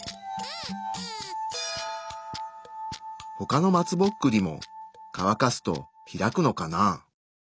他の松ぼっくりもかわかすと開くのかな？